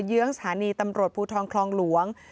เยื้องสถานีตำรวจภูทรคลองหลวง